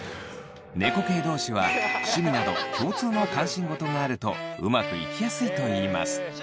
猫系同士は趣味など共通の関心事があるとうまくいきやすいといいます。